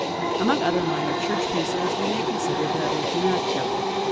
First among minor church pieces we may consider the "Regina coeli."